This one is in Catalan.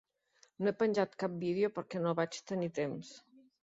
No he penjat cap vídeo perquè no vaig tenir temps.